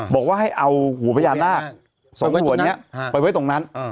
บอกว่าให้เอาหัวพญานาค๒หัวนี้ไปไว้ตรงนั้น